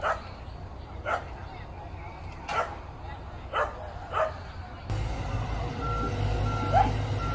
หรือว่าเกิดอะไรขึ้น